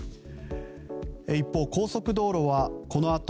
一方、高速道路はこのあと